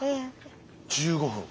１５分。